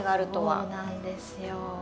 そうなんですよ。